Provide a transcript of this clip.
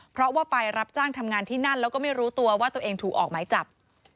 เพราะว่าไปรับจ้างทำงานที่นั่นแล้วก็ไม่รู้ตัวว่าตัวเองถูกออกหมายจับ